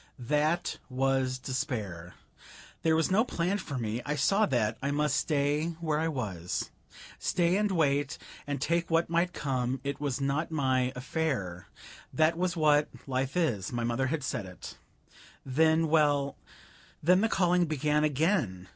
That was despair. There was no plan for me; I saw that; I must stay where I was; stay, and wait, and take what might come it was not my affair; that was what life is my mother had said it. Then well, then the calling began again!